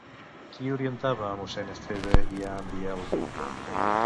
Què orientava a mossèn Esteve i a en Biel?